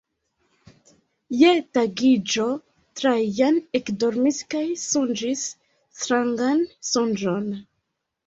Je tagiĝo Trajan ekdormis kaj sonĝis strangan sonĝon.